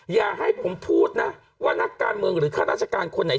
อย่าให้ผมพูดนะว่านักการเมืองหรือข้าราชการคนไหน